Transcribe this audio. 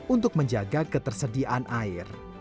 untuk menjaga ketersediaan air